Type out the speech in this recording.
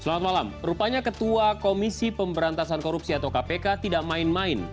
selamat malam rupanya ketua komisi pemberantasan korupsi atau kpk tidak main main